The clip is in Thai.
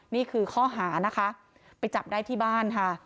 นี่คือข้อหาไปจับได้ที่บ้าน